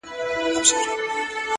چي اوبه وي تيمم ته څه حاجت دئ.